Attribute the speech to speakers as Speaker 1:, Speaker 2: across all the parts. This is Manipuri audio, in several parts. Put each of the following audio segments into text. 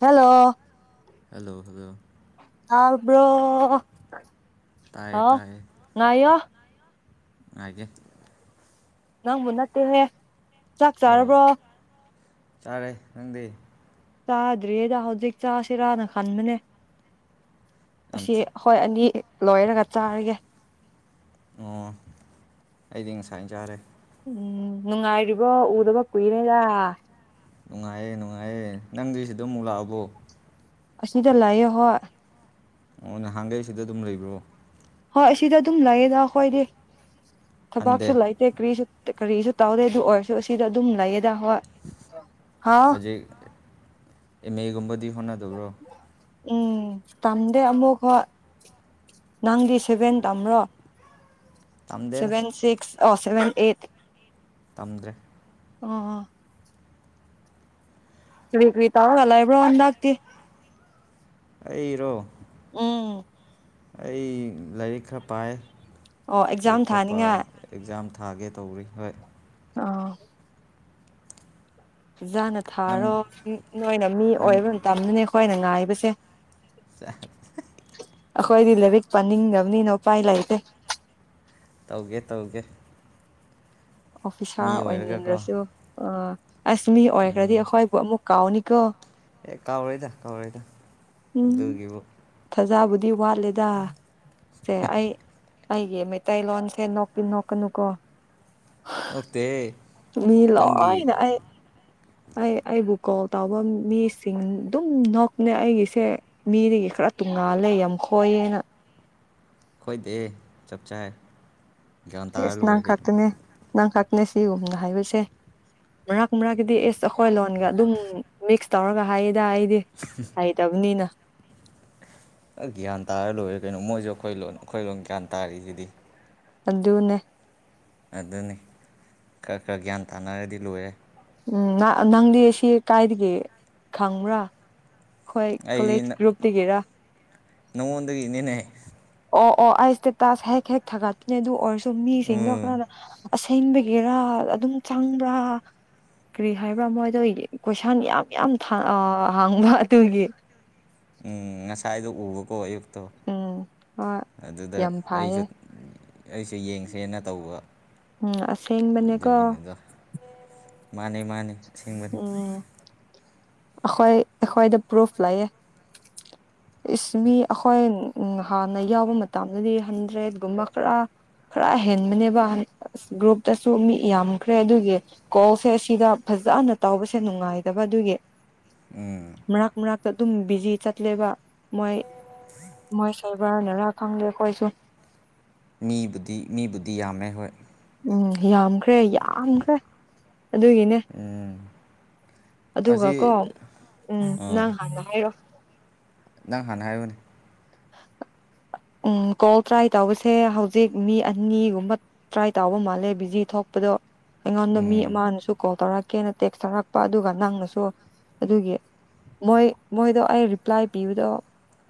Speaker 1: ꯍꯜꯂꯣ
Speaker 2: ꯍꯜꯂꯣ ꯍꯜꯂꯣ
Speaker 1: ꯇꯥꯕ꯭ꯔꯣ
Speaker 2: ꯇꯥꯏꯌꯦ
Speaker 1: ꯍꯥꯂꯣ ꯉꯥꯏꯌꯣ
Speaker 2: ꯍꯥꯏꯦ
Speaker 1: ꯅꯪꯕꯨ ꯅꯠꯇꯦꯍꯦ ꯆꯥꯛ ꯆꯥꯔꯕ꯭ꯔꯣ
Speaker 2: ꯇꯥꯔꯦ ꯅꯪꯗꯤ
Speaker 1: ꯆꯥꯗ꯭ꯔꯤꯌꯦꯗ ꯍꯧꯖꯤꯛ ꯆꯥꯁꯤꯔꯥꯅ ꯈꯟꯕꯅꯦ
Speaker 2: ꯌꯥꯝ
Speaker 1: ꯑꯁꯤ
Speaker 2: ꯊꯤ
Speaker 1: ꯍꯣꯏ ꯑꯅꯤ ꯂꯣꯏꯔꯒ ꯆꯥꯔꯒꯦ
Speaker 2: ꯑꯣ ꯑꯩꯗꯤ ꯉꯁꯥꯏ ꯆꯥꯔꯦ
Speaker 1: ꯎꯝ ꯅꯨꯡꯉꯥꯏꯔꯤꯕ ꯎꯗꯕ ꯀꯨꯏꯔꯦꯗ
Speaker 2: ꯅꯨꯡꯉꯥꯏꯌꯦ ꯅꯨꯡꯉꯥꯏꯌꯦ ꯅꯪꯗꯤ ꯁꯤꯗ ꯑꯃꯨꯛ ꯂꯥꯛꯑꯕꯣ
Speaker 1: ꯑꯁꯅꯤꯗ ꯂꯑꯌꯦ ꯍꯣ
Speaker 2: ꯑꯣ ꯅꯍꯥꯟꯒꯩ ꯁꯤꯗ ꯑꯗꯨꯝ ꯂꯩꯕ꯭ꯔꯣ
Speaker 1: ꯍꯣꯏ ꯁꯤꯗ ꯑꯗꯨꯝ ꯂꯩꯌꯦꯅ ꯑꯩꯈꯣꯏꯗꯤ
Speaker 2: ꯍꯟꯗꯦ
Speaker 1: ꯊꯕꯥꯛꯁꯨ ꯂꯩꯇꯦ ꯀꯔꯤꯁꯨ ꯀꯔꯤꯁꯨ ꯇꯧꯗꯦ ꯑꯗꯨ ꯑꯣꯏꯔꯁꯨ ꯁꯤꯗ ꯑꯗꯨꯝ ꯂꯩꯌꯦꯗ ꯍꯣꯏ ꯍꯥꯎ
Speaker 2: ꯍꯧꯖꯤꯛ ꯑꯦꯝ ꯑꯦꯒꯨꯝꯕꯗꯤ ꯍꯣꯠꯅꯗꯕ꯭ꯔꯣ
Speaker 1: ꯎꯝ ꯇꯝꯗꯦ ꯑꯃꯨꯛ ꯍ ꯅꯪꯗꯤ ꯁꯦꯚꯦꯟ ꯇꯝ꯭ꯔꯣ
Speaker 2: ꯇꯝꯗꯦꯗ
Speaker 1: ꯁꯚꯦꯟ ꯁꯤꯁ ꯑꯣ ꯁꯚꯦꯟ ꯑꯦꯠ
Speaker 2: ꯇꯝꯗ꯭ꯔꯦ
Speaker 1: ꯑ ꯀꯔꯤ ꯀꯔꯤ ꯇꯧꯔꯒ ꯂꯩꯕ꯭ꯔꯣ ꯍꯟꯗꯛꯇꯤ
Speaker 2: ꯇꯔꯣ
Speaker 1: ꯎꯝ
Speaker 2: ꯑꯩ ꯂꯥꯏꯔꯤꯛ ꯈꯔ ꯄꯥꯏ
Speaker 1: ꯑꯣ
Speaker 2: ꯑꯩ
Speaker 1: ꯑꯦꯛꯖꯥꯝ
Speaker 2: ꯈ
Speaker 1: ꯊꯥꯅꯤꯡꯉꯥꯏ
Speaker 2: ꯑꯦꯛꯖꯥꯝ ꯊꯥꯒꯦ ꯇꯧꯔꯤ ꯍꯣꯏ
Speaker 1: ꯑꯥ ꯐꯖꯥꯅ
Speaker 2: ꯅꯪ
Speaker 1: ꯊꯥꯔꯣ ꯅꯣꯏꯅ ꯃꯤ
Speaker 2: ꯅꯪ
Speaker 1: ꯑꯣꯏꯕ ꯃꯇꯝ ꯃꯇꯝꯗꯨꯅꯦ ꯑꯩꯈꯣꯏꯅ ꯉꯥꯏꯕꯁꯦ
Speaker 2: ꯆꯠ
Speaker 1: ꯑꯩꯈꯣꯏꯗꯤ ꯂꯥꯏꯔꯤꯛ ꯄꯥꯅꯤꯡꯗꯕꯅꯤꯅ ꯎꯄꯥꯏ ꯂꯩꯇꯦ
Speaker 2: ꯇꯧꯒꯦ ꯇꯧꯒꯦ
Speaker 1: ꯑꯣꯐꯤꯁꯥꯔ
Speaker 2: ꯃꯤ ꯑꯣꯏꯔꯒꯀꯣ
Speaker 1: ꯑꯣꯏꯅꯤꯡꯉꯁꯨ ꯑꯥ ꯑꯁ ꯃꯤ ꯑꯣꯏꯈ꯭ꯔꯗꯤ
Speaker 2: ꯎꯝ
Speaker 1: ꯑꯩꯈꯣꯏꯕꯨ ꯑꯃꯨꯛ ꯀꯥꯎꯅꯤ ꯀꯣ
Speaker 2: ꯑꯦ ꯀꯥꯎꯣꯏꯗ ꯀꯥꯎꯣꯏꯗ
Speaker 1: ꯎꯝ ꯊꯖꯥꯕꯨꯗꯤ ꯋꯥꯠꯂꯦꯗ ꯁꯦ ꯑꯩ ꯑꯩꯒꯤ ꯃꯩꯇꯩ ꯂꯣꯟꯁꯦ ꯅꯣꯛꯇꯤ ꯅꯣꯛꯀꯥꯅꯨ ꯀꯣ
Speaker 2: ꯑꯣꯛꯇ
Speaker 1: ꯃꯤ ꯂꯣꯏꯅ ꯑꯩ ꯑꯩ ꯑꯩꯕꯨ ꯀꯣꯜ ꯇꯕ ꯃꯤꯁꯤꯡ ꯑꯗꯨꯝ ꯅꯣꯛꯅꯦ ꯑꯩꯒꯤꯁꯦ ꯃꯤꯗꯒꯤ ꯈꯔ ꯇꯨꯡꯉꯥꯜꯂꯦ ꯌꯥꯝ ꯈꯣꯏꯌꯦꯅ
Speaker 2: ꯈꯣꯏꯗꯦ ꯆꯞ ꯆꯥ
Speaker 1: ꯑꯦꯁ ꯅꯪ ꯈꯛꯇꯅꯦ ꯅꯪ ꯈꯛꯇꯅꯦ ꯁꯤꯒꯨꯝꯅ ꯍꯥꯏꯕꯁꯦ ꯃꯔꯛ ꯃꯔꯛꯀꯗꯤ ꯑꯦꯁ ꯑꯩꯈꯣꯏ ꯂꯣꯟꯒ ꯑꯗꯨꯝ ꯃꯤꯛꯁ ꯇꯧꯔꯒ ꯍꯥꯏꯌꯦꯗ ꯑꯩꯗꯤ ꯍꯩꯇꯕꯅꯤꯅ
Speaker 2: ꯒ꯭ꯌꯥꯟ ꯇꯥꯔ ꯂꯣꯏꯔꯦ ꯀꯩꯅꯣ ꯃꯣꯏꯁꯨ ꯑꯩꯈꯣꯏ ꯂꯣꯟ ꯑꯩꯈꯣꯏ ꯂꯣꯟ ꯒ꯭ꯌꯥꯟ ꯇꯥꯔꯤꯁꯤꯗꯤ
Speaker 1: ꯑꯗꯟꯅꯦ
Speaker 2: ꯑꯗꯨꯅꯤ ꯈꯔ ꯈꯔ ꯒ꯭ꯌꯥꯟ ꯇꯥꯅꯔꯗꯤ ꯂꯣꯏꯔꯦ
Speaker 1: ꯎꯝ ꯅꯪꯗꯤ ꯁꯤ ꯀꯥꯏꯗꯒꯤ ꯈꯪꯕ꯭ꯔꯥ ꯑꯩꯈꯣꯏ ꯀꯣꯂꯦꯖ
Speaker 2: ꯑꯩꯗꯤ
Speaker 1: ꯒ꯭ꯔꯨꯞꯇꯒꯤꯔ
Speaker 2: ꯅꯉꯣꯟꯗꯒꯤꯅꯤꯅꯦ
Speaker 1: ꯑꯣ ꯑꯣ ꯑꯩ ꯁꯇꯦꯇꯥꯁ ꯍꯦꯛ ꯍꯦꯛ ꯊꯥꯒꯠꯄꯅꯦ ꯑꯗꯨ ꯑꯣꯏꯔꯁꯨ ꯃꯤꯁꯤꯡꯗꯣ
Speaker 2: ꯎꯝ
Speaker 1: ꯈꯔꯅ ꯑꯁꯦꯡꯕꯒꯤꯔꯥ ꯑꯗꯨꯝ ꯆꯪꯕ꯭ꯔꯥ ꯀꯔꯤ ꯍꯥꯏꯕ꯭ꯔꯥ ꯃꯣꯏꯗꯣ ꯀꯣꯏꯁꯥꯟ ꯌꯥꯝ ꯌꯥꯝ ꯍꯥꯡꯕ ꯑꯗꯨꯒꯤ
Speaker 2: ꯎꯝ ꯉꯁꯥꯏꯗꯣ ꯎꯕꯀꯣ ꯑꯌꯨꯛꯇꯣ
Speaker 1: ꯎꯝ ꯍꯣꯏ
Speaker 2: ꯑꯗꯨꯗ
Speaker 1: ꯌꯥꯝ ꯐꯩꯌꯦ
Speaker 2: ꯑꯩꯁꯨ ꯑꯩꯁꯦ ꯌꯦꯡꯁꯦꯅ ꯇꯧꯕ
Speaker 1: ꯎꯝ ꯑꯁꯦꯡꯕꯅꯦꯀꯣ
Speaker 2: ꯑꯗꯨꯒꯤꯅꯤꯗ ꯃꯥꯅꯦ ꯃꯥꯅꯤ ꯊꯦꯡꯕꯅꯤ
Speaker 1: ꯎꯝ ꯑꯩꯈꯣꯏ ꯑꯩꯈꯣꯏꯗ ꯄ꯭ꯔꯨꯐ ꯂꯩꯌꯦꯦ
Speaker 2: [inaudible] [inaudible]
Speaker 1: ꯏꯁ ꯃꯤ ꯑꯩꯈꯣꯏ ꯍꯥꯟꯅ ꯌꯥꯎꯕ ꯃꯇꯝꯗꯗꯤ ꯍꯟꯗ꯭ꯔꯦꯠꯀꯨꯝꯕ ꯈꯔ ꯈꯔ ꯍꯦꯟꯕꯅꯦꯕ ꯑꯁ ꯒ꯭ꯔꯨꯞꯇꯁꯨ ꯃꯤ ꯌꯥꯝꯈ꯭ꯔꯦ ꯑꯗꯨꯒꯤ ꯀꯣꯜꯁꯦ ꯑꯁꯤꯗ ꯐꯖꯅ ꯇꯕꯁꯦ ꯅꯨꯡꯉꯥꯏꯗꯕ ꯑꯗꯨꯒꯤ
Speaker 2: ꯎꯝ
Speaker 1: ꯃꯔꯛ ꯃꯔꯛꯇ ꯑꯗꯨꯝ ꯕꯤꯖꯤ ꯆꯠꯂꯦꯕ ꯃꯣꯏ ꯃꯣꯏ ꯁꯥꯏꯕꯔ ꯅꯔꯥ ꯈꯪꯗꯦ ꯑꯩꯈꯣꯏꯁꯨ
Speaker 2: ꯃꯤꯕꯨꯗꯤ ꯃꯤꯕꯨꯗꯤ ꯌꯥꯝꯃꯦ ꯍꯣꯏ
Speaker 1: ꯎꯝ ꯌꯥꯝꯈ꯭ꯔꯦ ꯌꯥꯝꯈ꯭ꯔꯦ ꯑꯗꯨꯒꯤꯅꯦ
Speaker 2: ꯎꯝ
Speaker 1: ꯑꯗꯨꯒ ꯀꯣ
Speaker 2: ꯑꯁꯤ
Speaker 1: ꯎꯝ ꯅꯪ ꯍꯥꯟꯅ ꯍꯥꯏꯔꯛꯑꯣ
Speaker 2: ꯅꯪ ꯍꯥꯟ ꯍꯥꯏꯌꯣꯅꯦ [inaudible] [inaudible]
Speaker 1: ꯎꯝ ꯀꯣꯜ ꯇ꯭ꯔꯥꯏ ꯇꯧꯕꯁꯦ ꯍꯧꯖꯤꯛ ꯃꯤ ꯑꯅꯤꯒꯨꯝꯕ ꯇ꯭ꯔꯥꯏ ꯇꯧꯕ ꯃꯥꯜꯂꯦ ꯕꯤꯖꯤ ꯊꯣꯛ ꯑꯗꯣ ꯑꯩꯉꯣꯟꯗ ꯃꯤ
Speaker 2: ꯎꯝ
Speaker 1: ꯑꯃꯅꯁꯨ ꯀꯣꯜ ꯇꯧꯔꯛꯀꯦꯅ ꯇꯦꯛꯁ ꯇꯧꯔꯛꯄ ꯑꯗꯨꯒ ꯅꯪꯅꯁꯨ ꯑꯗꯨꯒꯤ ꯃꯣꯏ ꯃꯣꯏꯗꯣ ꯑꯩ ꯔꯤꯄ꯭ꯂꯥꯏ ꯄꯤꯕꯗꯣ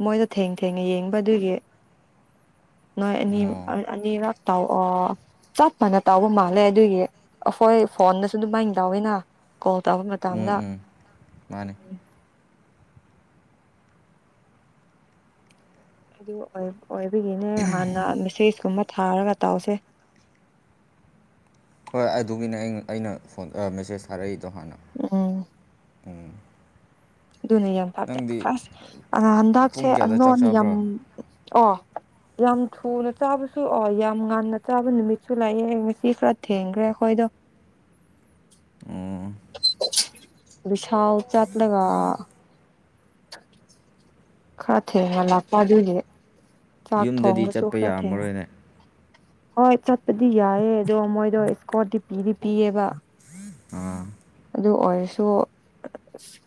Speaker 1: ꯃꯣꯏꯗ ꯊꯦꯡ ꯊꯦꯡꯉ ꯌꯦꯡꯕ ꯑꯗꯨꯒꯤ ꯅꯣꯏ ꯑꯅꯤ
Speaker 2: ꯑꯣ
Speaker 1: ꯑꯅꯤꯔꯛ ꯇꯥꯎ ꯑ ꯆꯞ ꯃꯥꯟꯅ ꯇꯧꯕ ꯃꯥꯜꯂꯦ ꯑꯗꯨꯒꯤ ꯑꯩꯈꯣꯏ ꯐꯣꯟꯗꯁꯨ ꯑꯗꯨꯃꯥꯏꯅ ꯇꯎꯋꯤꯅ ꯀꯣꯜ ꯇꯧꯕ
Speaker 2: ꯎꯝ
Speaker 1: ꯃꯇꯝꯗ
Speaker 2: ꯎꯝ ꯃꯥꯅꯦ
Speaker 1: ꯎꯝ ꯑꯗꯨ ꯑꯣꯏꯕꯒꯤꯅꯦ ꯍꯥꯟꯅ ꯃꯦꯁꯦꯁ ꯀꯨꯝꯕ ꯊꯥꯔꯒ ꯇꯥꯎꯁꯦ
Speaker 2: ꯍꯣꯏ ꯑꯗꯨꯒꯤꯅꯦ ꯑꯩꯟ ꯑꯩꯅ ꯐꯣꯟ ꯃꯦꯁꯦꯖ ꯊꯥꯔꯛꯏꯗꯣ ꯍꯥꯟꯅ
Speaker 1: ꯎꯝ
Speaker 2: ꯎꯝ
Speaker 1: ꯑꯗꯨꯅ ꯌꯥꯝ ꯊꯥꯖꯩ
Speaker 2: ꯅꯪꯗꯤ
Speaker 1: ꯐꯁ ꯑꯗ ꯍꯟꯗꯛꯁꯦ
Speaker 2: ꯄꯨꯡ ꯀꯌꯥꯗ ꯆꯥꯛ
Speaker 1: ꯑꯅꯣꯟ ꯌꯥꯝ
Speaker 2: ꯆꯥꯕ꯭ꯔꯣ
Speaker 1: ꯑꯣ ꯌꯥꯝ ꯊꯨꯅ ꯆꯥꯕꯁꯨ ꯑꯣꯏ ꯌꯥꯝ ꯉꯟꯅ ꯆꯥꯕ ꯅꯨꯃꯤꯠꯁꯨ ꯂꯥꯛꯑꯦ ꯉꯁꯤ ꯈꯔ ꯊꯦꯡꯈ꯭ꯔꯦ ꯑꯩꯈꯣꯏꯗꯣ
Speaker 2: ꯎꯝ
Speaker 1: ꯕꯤꯁꯥꯜ ꯆꯠꯂꯒ ꯈꯔ ꯊꯦꯅꯥ ꯂꯥꯛ ꯄꯗꯤꯗꯤ ꯆꯥꯛ
Speaker 2: ꯌꯨꯝꯗꯗꯤ
Speaker 1: ꯊꯣꯡꯒꯦꯁꯨꯨ
Speaker 2: ꯆꯠꯄ
Speaker 1: ꯈꯔ ꯊ‌ꯦꯡ
Speaker 2: ꯌꯥꯔꯝꯃꯔꯣꯏꯅꯦ
Speaker 1: ꯍꯣꯏ ꯆꯠꯄꯗꯤ ꯌꯥꯏꯑꯦ ꯑꯗꯣ ꯃꯣꯏꯗꯣ ꯏꯁꯀꯣꯔꯗꯤ ꯄꯤꯗꯤ ꯄꯤꯌꯦꯕ ꯑꯗꯨ ꯑꯣꯏꯔꯁꯨ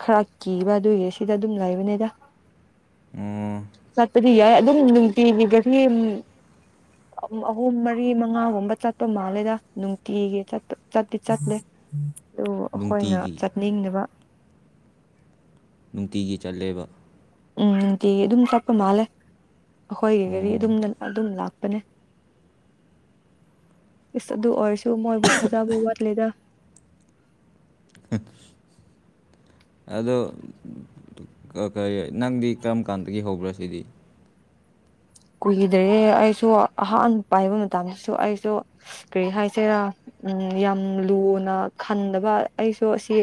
Speaker 1: ꯈꯔ ꯀꯤꯕ ꯑꯗꯨꯏꯔ ꯁꯤꯗ ꯑꯗꯨꯝ ꯂꯩꯕꯅꯦꯗ
Speaker 2: [inaudible]
Speaker 1: ꯆꯠꯇꯗꯤ ꯌꯥꯏ ꯑꯗꯨꯝ ꯅꯨꯡꯇꯤꯒꯤꯒꯁꯤ ꯑꯍꯨꯝ ꯃꯔꯤ ꯃꯉꯥꯒꯨꯝꯕ ꯆꯠꯄ ꯃꯥꯜꯂꯦꯗ ꯅꯨꯡꯇꯤꯒꯤ ꯆꯠꯇꯤ ꯆꯠꯂꯦ ꯑꯗꯨ ꯑꯩꯈꯣꯏꯅ
Speaker 2: ꯅꯨꯡꯇꯤꯒꯤ
Speaker 1: ꯆꯠꯅꯤꯡꯕ
Speaker 2: ꯅꯨꯡꯇꯤꯒꯤ ꯆꯠꯂꯦꯕ
Speaker 1: ꯎꯝ ꯑꯗꯨꯝ ꯆꯠꯄ ꯃꯥꯂꯦ ꯑꯩꯈꯣꯏꯒꯤꯒꯥꯔꯤ
Speaker 2: ꯎꯝ
Speaker 1: ꯑꯗꯨꯝꯅ ꯑꯗꯨꯝ ꯂꯥꯛꯄꯅꯦ ꯄꯗꯨ ꯑꯣꯏꯔꯁꯨ ꯃꯣꯏꯕꯨꯊꯥꯖ ꯕ ꯋꯥꯠ ꯂꯩꯗ
Speaker 2: ꯑꯥ ꯑꯗꯣ ꯅꯪꯗꯤ ꯀꯔꯝ ꯀꯥꯟꯗꯒꯤ ꯍꯧꯕ꯭ꯔꯥ ꯁꯤꯗꯤ
Speaker 1: ꯀꯨꯏꯗ꯭ꯔꯦ ꯑꯩꯁꯨ ꯑꯍꯥꯟꯕ ꯄꯥꯏꯕ ꯃꯇꯝꯗꯁꯨ ꯑꯩꯁꯨ ꯀꯔꯤ ꯍꯥꯏꯁ‌ꯦꯔꯥ ꯎꯝ ꯌꯥꯝ ꯂꯨꯅ ꯈꯟꯗꯕ ꯑꯩꯁꯨ ꯑꯁꯤ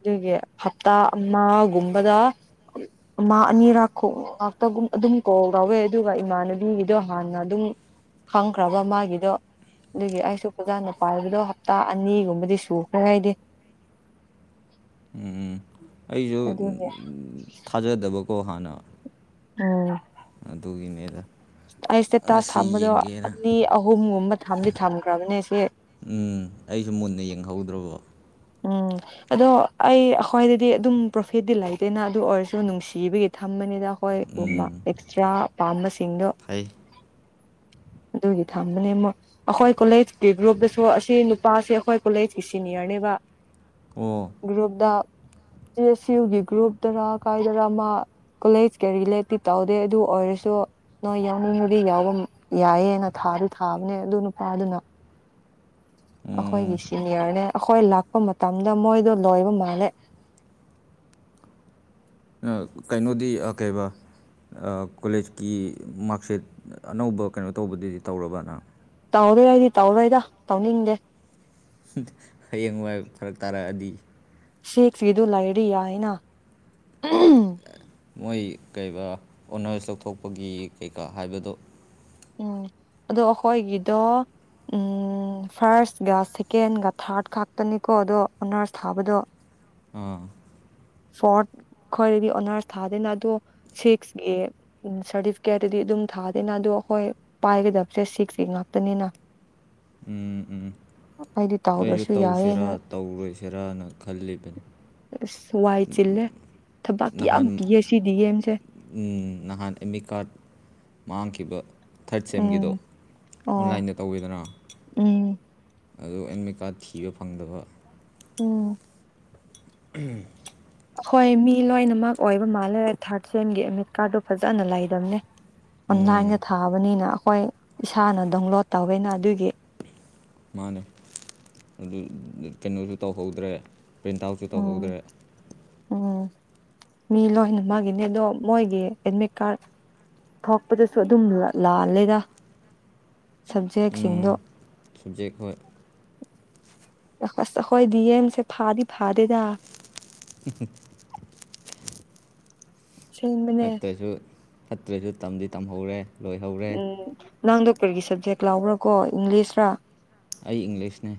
Speaker 1: ꯑꯗꯨꯒꯤ ꯍꯞꯇꯥ ꯑꯃꯒꯨꯝꯕꯗ ꯃꯥ ꯑꯅꯤꯔꯥꯣꯛ ꯉꯥꯛꯇꯒ ꯑꯗꯨꯝ ꯀꯣꯛ ꯌꯥꯎꯋꯦ ꯑꯗꯨꯒ ꯏꯃꯥꯟꯅꯕꯤꯒꯤꯗꯣ ꯍꯥꯟꯅ ꯑꯗꯨꯝ ꯈꯪꯈ꯭ꯔꯕ ꯃꯥꯒꯤꯗꯣ ꯑꯗꯨꯒꯤ ꯑꯩꯁꯨ ꯐꯖꯥꯅ ꯄꯥꯏꯕꯗꯣ ꯍꯞꯇꯥ ꯑꯅꯤꯒꯨꯝꯕꯗꯤ ꯁꯨꯈ꯭ꯔꯦ ꯍꯥꯏꯗꯤ
Speaker 2: ꯎꯝ ꯎꯝ ꯑꯩꯁꯨ
Speaker 1: ꯑꯗꯨꯒꯤ
Speaker 2: ꯀꯣꯍꯅ
Speaker 1: ꯎꯝ
Speaker 2: ꯇꯨꯒꯤꯅꯦꯗ
Speaker 1: ꯑꯩ ꯏꯁꯇꯦꯇꯥꯁ ꯊꯝꯕꯗꯣ ꯑꯅꯤ ꯑꯍꯨꯝꯒꯨꯝꯕ ꯊꯗꯤ ꯊꯝꯈ꯭ꯔꯕꯅꯦ ꯁꯤ
Speaker 2: ꯎꯝ ꯑꯩꯁꯨ ꯃꯨꯟꯅ ꯌꯦꯡꯍꯧꯗ꯭ꯔꯕꯣ
Speaker 1: ꯎꯝ ꯑꯗꯣ ꯑꯩ ꯑꯩꯈ꯭ꯣꯏꯗꯗꯤ ꯑꯗꯨꯝ ꯄ꯭ꯔꯣꯐꯤꯠꯇꯤ ꯂꯩꯇꯦꯅ ꯑꯗꯨ ꯑꯣꯏꯔꯁꯨ ꯅꯨꯡꯁꯤꯕꯒꯤ ꯊꯝ ꯊꯝꯕꯅꯤꯗ ꯍꯣꯏ ꯎ
Speaker 2: ꯎꯝ
Speaker 1: ꯑꯦꯛꯁꯇ꯭ꯔꯥ ꯄꯥꯝꯕꯁꯤꯡꯗꯣ
Speaker 2: ꯐꯩ [unintelligible]
Speaker 1: ꯑꯗꯨꯒꯤ ꯊꯝꯕꯅꯦ ꯑꯃꯨꯛ ꯑꯩꯈꯣꯏ ꯀꯣꯂꯦꯖꯀꯤ ꯒ꯭ꯔꯨꯞꯇꯁꯨ ꯑꯁꯤ ꯅꯨꯄꯥꯁꯦ ꯑꯩꯈꯣꯏ ꯀꯣꯂꯦꯖꯀꯤ ꯁꯤꯅꯤꯌꯔꯅꯦꯕ
Speaker 2: ꯑꯣ
Speaker 1: ꯒ꯭ꯔꯨꯞꯇꯁ ꯁꯤ ꯌꯨꯒꯤ ꯒ꯭ꯔꯨꯞꯇꯔ ꯀꯥꯏꯗꯔ ꯃꯥ ꯀꯣꯂꯦꯖ ꯀ ꯔꯤꯂꯦꯇꯤ ꯇꯧꯗꯦ ꯑꯗꯨ ꯑꯣꯏꯔꯁꯨ ꯅꯣꯏ ꯌꯥꯎꯅꯤꯡꯕꯗꯤ ꯌꯥꯎꯕ ꯌꯥꯏꯌꯦꯅ ꯊꯥ ꯊꯥꯗꯤ ꯊꯥꯕꯅꯦ ꯑꯗꯨ ꯅꯨꯄꯥꯗꯨꯅ
Speaker 2: [unintelligible] ꯎꯝ
Speaker 1: ꯑꯈꯣꯏꯒꯤꯁꯤꯅꯤꯔꯅꯦ ꯑꯈꯣꯏ ꯂꯥꯈ ꯂꯄ ꯃꯇꯝꯗ ꯃꯣꯏꯗꯣ ꯂꯣꯏꯕ ꯃꯥꯜꯂꯦ
Speaker 2: ꯑ ꯀꯩꯅꯣꯗꯤ ꯀꯩꯕ ꯀꯣꯂꯦꯖꯀꯤ ꯃꯥꯔꯛꯁꯤꯠ ꯑꯅꯧꯕ ꯀꯩꯅꯣ ꯇꯧꯕꯗꯨꯗꯤ ꯇꯧꯔꯕꯅ
Speaker 1: ꯇꯧꯔꯣꯏ ꯑꯩꯗꯤ ꯇꯧꯔꯣꯏꯗ ꯇꯧꯅꯤꯡꯗꯦ
Speaker 2: ꯍꯌꯦꯡ ꯋꯥꯏ ꯐꯔꯛ ꯇꯥꯔꯛꯑꯗꯤ
Speaker 1: ꯁꯦꯗꯨ ꯂꯩꯥꯏꯔꯤ ꯌꯥ ꯍꯥꯏꯅ
Speaker 2: ꯃꯣꯏ ꯀꯩ ꯑꯣꯅꯔꯁ ꯂꯧꯊꯣꯛꯄꯒꯤ ꯀꯩꯀꯥ ꯍꯥꯏꯕꯗꯣ
Speaker 1: ꯎꯝ ꯑꯗꯣ ꯑꯩꯈꯣꯏꯒꯤꯗꯣ ꯎꯝ ꯐꯥꯔꯁꯀ ꯁꯦꯀꯦꯟꯒ ꯊꯥꯔꯠ ꯈꯥꯛꯇꯅꯤꯀꯣ ꯑꯗꯣ ꯑꯣꯅꯔꯁ ꯊꯥꯕꯗꯣ
Speaker 2: [unintelligible]
Speaker 1: ꯐꯣꯔꯊ ꯈꯣꯏꯗꯗꯤ ꯑꯣꯅꯔꯁ ꯊꯥꯗꯦꯅ ꯑꯗꯨꯗꯣ ꯁꯤꯛꯁꯀꯤ ꯁꯥꯔꯇꯤꯐꯤꯀꯦꯠꯇꯗꯤ ꯑꯗꯨꯝ ꯊꯥꯗꯦꯅ ꯑꯗꯣ ꯑꯩꯈꯣꯏ ꯄꯥꯏꯒꯗꯕꯁꯦ ꯁꯤꯁꯀꯤ ꯉꯥꯛꯇꯅꯤꯅ
Speaker 2: ꯎꯝ ꯎꯝ
Speaker 1: ꯍꯥꯏꯗꯤ
Speaker 2: ꯑꯩꯁꯨ ꯇꯧꯁꯤꯔꯥ ꯇꯧꯔꯣꯏꯁꯤꯔꯥꯅ ꯈꯜꯂꯤꯕꯅꯤ
Speaker 1: ꯑꯁ ꯋꯥꯏ ꯆꯤꯜꯂꯦ ꯊꯕꯛ ꯌꯥꯝ
Speaker 2: ꯅꯍꯥꯟ
Speaker 1: ꯄꯤꯌꯦ ꯁꯤ ꯗꯤ ꯑꯦꯝꯁꯦ
Speaker 2: ꯅꯍꯥꯟ ꯑꯦ ꯃꯤꯠ ꯀꯥꯔꯠ ꯃꯥꯡꯈꯤꯕ ꯊꯔꯠ ꯁꯦꯝꯒꯤꯗꯣ
Speaker 1: ꯎꯝ ꯑꯣ
Speaker 2: ꯑꯣꯟꯂꯥꯏꯟꯗ ꯇꯧꯋꯦꯗꯅ
Speaker 1: ꯎꯝ
Speaker 2: ꯑꯗꯣ ꯑꯦꯟꯃꯤꯠ ꯀꯥꯔꯗ ꯊꯤꯕ ꯐꯪꯗꯕ
Speaker 1: ꯎꯝ
Speaker 2: ꯎꯝ
Speaker 1: ꯍꯣꯏ ꯃꯤ ꯂꯣꯏꯅꯃꯛ ꯑꯣꯏꯕ ꯃꯥꯜꯂꯦ ꯊꯥꯔꯠ ꯁꯦꯟꯒꯤ ꯑꯦꯗꯃꯤꯠ ꯀꯥꯔꯗꯗꯨꯣ ꯐꯖꯅ ꯂꯩꯗꯝꯅꯦ
Speaker 2: ꯎꯝ
Speaker 1: ꯑꯣꯟꯂꯥꯏꯟꯒ ꯊꯥꯑꯕꯅꯤꯅ ꯑꯩꯈꯣꯏ ꯏꯁꯥꯅ ꯗꯥꯎꯟꯂꯣꯗ ꯇꯧꯋꯦꯅ ꯑꯗꯨꯒꯤ
Speaker 2: ꯃꯥꯅꯦ ꯑꯗꯨ ꯀꯩꯅꯣꯁꯨ ꯇꯧꯍꯧꯗ꯭ꯔꯦ ꯄ꯭ꯔꯤꯟꯠ ꯑꯥꯎꯠꯁꯨ
Speaker 1: ꯎꯝ
Speaker 2: ꯇꯧꯍꯧꯗ꯭ꯔꯦ
Speaker 1: ꯎꯝ ꯃꯤ ꯂꯣꯏꯅ ꯃꯥꯒꯤꯅꯤ ꯑꯗꯣ ꯃꯣꯏꯒꯤ ꯑꯦꯗꯃꯤꯠ ꯀꯥꯔꯠ ꯊꯣꯛꯄꯗꯁꯨ ꯑꯗꯨꯝ ꯂꯥꯜꯂꯦꯗ ꯁꯕꯖꯦꯛꯁꯤꯡꯗꯣ
Speaker 2: ꯁꯕꯖꯦꯛ ꯍꯣꯏ
Speaker 1: ꯑꯈꯣꯏ ꯗꯤ ꯑꯦꯝ ꯁꯦ ꯐꯥꯗꯤ ꯐꯥꯗꯦꯗ ꯁꯤꯅꯤ
Speaker 2: ꯐꯠꯇ꯭ꯔꯁꯨ ꯐꯠꯇ꯭ꯔꯁꯨ ꯇꯝꯗꯤ ꯇꯝꯍꯧꯔꯦ ꯂꯣꯏꯍꯧꯔꯦ
Speaker 1: ꯎꯝ ꯅꯪꯗꯣ ꯀꯔꯤꯒꯤ ꯁꯕꯖꯦꯛ ꯂꯥꯎꯕ꯭ꯔꯥ ꯀꯣ ꯏꯪꯂꯤꯁꯔ
Speaker 2: ꯑꯩ ꯏꯪꯂꯤꯁꯅꯦ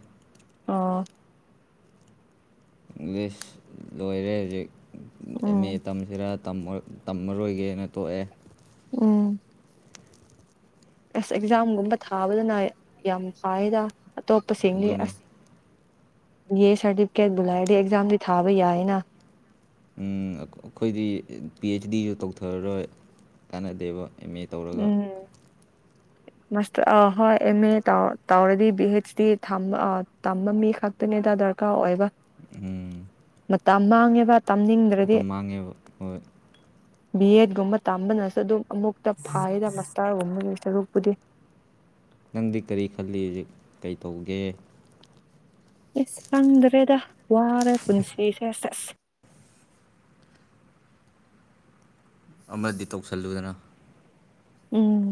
Speaker 2: ꯏꯪꯂꯤꯁ
Speaker 1: ꯎꯝ
Speaker 2: ꯃꯦ ꯇꯝꯁꯤꯔ ꯇꯝꯃꯔꯣꯏꯒꯦꯅ ꯇꯣꯛꯑꯦ
Speaker 1: ꯎꯝ ꯑꯁ ꯑꯦꯛꯖꯥꯝꯒꯨꯝꯕ ꯊꯥꯕꯗꯅ ꯌꯥꯝ ꯐꯏꯗ ꯑꯇꯣꯞꯄꯁꯤꯡꯗꯤ ꯑꯁ
Speaker 2: [unintelligible]
Speaker 1: ꯕꯤ ꯑꯦꯠ ꯁꯔꯇꯤꯐꯤꯀꯦꯠ ꯨꯂꯗꯤ ꯑꯦꯛꯖꯝꯗꯤ ꯊꯥꯕꯥ ꯌꯥꯏꯅ
Speaker 2: ꯑꯩꯈꯣꯏꯗꯤ ꯄꯤ ꯑꯩꯆ ꯗꯤꯁꯨ ꯇꯧꯊꯔꯔꯣꯏ ꯀꯥꯟꯅꯗꯦꯕ ꯑꯦꯝ ꯑꯦ ꯇꯧꯔꯒ
Speaker 1: ꯃꯁꯇꯔ ꯑ ꯍꯣꯏ ꯑꯦꯝ ꯑꯦ ꯇ ꯇꯧꯔꯗꯤ ꯄꯤ ꯍꯩꯆ ꯗꯤ ꯇꯝꯕ ꯃꯤ ꯈꯛꯇꯅꯦ ꯗ ꯗꯔꯀꯥ ꯑꯣꯏꯕ
Speaker 2: ꯎꯝ
Speaker 1: ꯃꯇꯝ ꯃꯥꯡꯉꯦꯕ ꯇꯝꯅꯤꯡꯗ꯭ꯔꯦ
Speaker 2: ꯁꯣ ꯃꯥꯡꯉꯦꯕ
Speaker 1: ꯕꯤ ꯑꯦꯗ ꯒꯨꯝꯕ ꯇꯝꯕꯅꯁꯨ ꯑꯗꯨꯝ ꯑꯃꯨꯛꯇ ꯐꯥꯏꯗ ꯃꯁꯇꯥꯔꯒꯨꯝꯕꯒꯤ ꯁꯔꯨꯛ ꯄꯨꯗꯤ
Speaker 2: ꯅꯪꯗꯤ ꯀꯔꯤ ꯈꯜꯂꯤ ꯍꯧꯖꯤꯛ ꯀꯩ ꯇꯧꯒꯦ
Speaker 1: ꯏꯁ ꯈꯪꯗ꯭ꯔꯦꯗ ꯋꯥꯔꯦ ꯄꯨꯟꯁꯤꯁꯦ ꯁꯦꯁ
Speaker 2: [unintelligible] ꯑꯃꯗꯤ ꯇꯧꯁꯤꯜꯂꯨꯗꯅ
Speaker 1: ꯎꯝ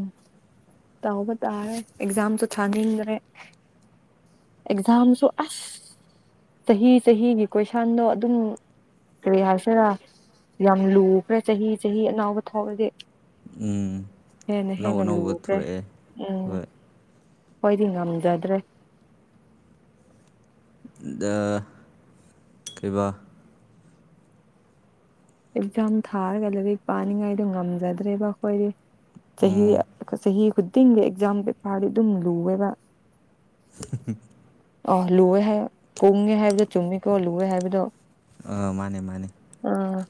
Speaker 1: ꯇꯧꯕ ꯇꯥꯔꯦ ꯑꯦꯛꯖꯥꯝꯁꯨꯣ ꯊꯥꯅꯤꯡꯗ꯭ꯔꯦ ꯑꯦꯛꯖꯥꯝꯁꯨ ꯑꯁ ꯆꯍꯤ ꯆꯍꯤꯒꯤ ꯀꯣꯏꯁꯟꯗꯣ ꯑꯗꯨꯝ ꯀꯔꯤ ꯍꯥꯏꯁꯤꯔꯥ ꯌꯥꯝ ꯂꯨꯕ꯭ꯔꯥ ꯆꯍꯤ ꯆꯍꯤ ꯑꯅꯥꯕ ꯊꯥꯎꯔꯗꯤ
Speaker 2: ꯎꯝ
Speaker 1: ꯍꯦꯟꯅ
Speaker 2: ꯑꯅꯧ
Speaker 1: ꯍꯦꯟꯅ
Speaker 2: ꯑꯅꯧꯕ
Speaker 1: ꯂꯨꯈ꯭ꯔꯦ
Speaker 2: ꯊꯣꯔꯛꯑꯦ
Speaker 1: ꯎꯝ
Speaker 2: ꯍꯣꯏ
Speaker 1: ꯍꯣꯏꯗꯤ ꯉꯝꯖꯗ꯭ꯔꯦ
Speaker 2: ꯀꯩꯕꯥ
Speaker 1: ꯑꯦꯛꯖꯥꯝ ꯊꯥꯔꯒ ꯂꯥꯏꯔꯤꯛ ꯄꯥꯅꯤꯡꯉꯥꯏꯗꯣ ꯉꯝꯖꯗ꯭ꯔꯦꯕ ꯑꯩꯈꯣꯏꯗꯤ ꯆꯍꯤ
Speaker 2: ꯎꯝ
Speaker 1: ꯆꯍꯤ ꯈꯨꯗꯤꯡꯒꯤ ꯑꯦꯛꯖꯥꯝ ꯄꯦꯄꯔꯗꯤ ꯑꯗꯨꯝ ꯂꯨꯑꯦꯕ
Speaker 2: [inaudible]
Speaker 1: ꯑ ꯂꯨꯑꯦ ꯍꯥꯏ ꯀꯨꯡꯉꯦ ꯍꯥꯏꯕꯗꯣ ꯆꯨꯝꯃꯤꯀꯣ ꯂꯨꯋꯦ ꯍꯥꯏꯕꯗꯣ
Speaker 2: ꯑꯥ ꯃꯥꯅꯦ ꯃꯥꯅꯦ
Speaker 1: ꯑꯥ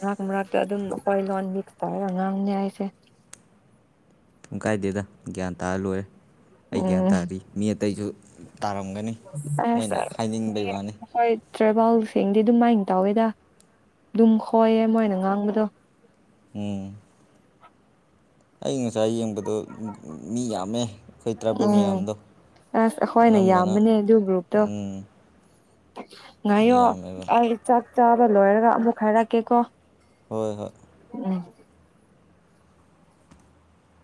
Speaker 1: ꯉꯥꯛ ꯃꯔꯥꯛꯛꯇ ꯑꯗꯨꯝ ꯑꯩꯈꯣꯏ ꯂꯣꯟꯃꯤꯛꯁ ꯇꯧꯔꯒ ꯉꯥꯡꯅꯤ ꯍꯥꯏꯁꯦ
Speaker 2: ꯀ ꯀꯥꯏꯗꯦꯗ ꯒ꯭ꯌꯥꯟ ꯇꯥꯔ ꯂꯣꯏꯔꯦ ꯑꯩ ꯒ꯭ꯌꯥꯟ ꯇꯥꯔꯤ ꯃꯤ ꯑꯇꯩꯁꯨ ꯇꯥꯔꯝꯒꯅꯤ
Speaker 1: ꯑ
Speaker 2: ꯃꯣꯏꯅ ꯍꯥꯏꯅꯤꯡꯕꯩ ꯋꯥꯅꯤ
Speaker 1: ꯍ ꯇ꯭ꯔꯦꯚꯦꯜꯁꯤꯡꯦꯡꯗꯤ ꯑꯗꯨꯃꯥꯏꯅ ꯇꯧꯋꯦꯗ ꯑꯗꯨꯝ ꯍꯣꯏꯌꯦ ꯃꯣꯏꯅ ꯉꯥꯡꯕꯗꯣ
Speaker 2: ꯎꯝ ꯑꯩ ꯉꯁꯥꯏ ꯌꯦꯡꯕꯗꯣ ꯃꯤ ꯌꯥꯝꯃꯦ ꯇ꯭ꯔꯥꯏꯕꯦꯜ
Speaker 1: ꯎꯝ
Speaker 2: ꯃꯌꯥꯝꯗꯣ
Speaker 1: ꯑꯁ ꯑꯩꯈꯣꯏꯅ
Speaker 2: ꯑꯅꯝꯕꯅ
Speaker 1: ꯌꯥꯝꯕꯅꯦ ꯑꯗꯨ ꯒ꯭ꯔꯨꯞꯇꯣ
Speaker 2: ꯎꯝ ꯃꯤ
Speaker 1: ꯉꯥꯏꯌꯣ
Speaker 2: ꯌꯥꯝꯃꯦꯕ
Speaker 1: ꯑꯩ ꯆꯥꯛ ꯆꯥꯕ ꯂꯣꯏꯔꯒ ꯑꯃꯨꯛ ꯍꯥꯏꯔꯛꯀꯦꯀꯣ
Speaker 2: ꯍꯣꯏ ꯍꯣꯏ
Speaker 1: ꯎꯝ